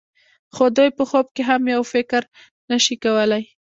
خو دوی په خوب کې هم یو فکر نشي کولای.